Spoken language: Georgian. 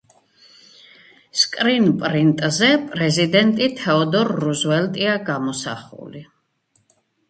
სკრინპრინტზე, პრეზიდენტი თეოდორ რუზველტია გამოსახული.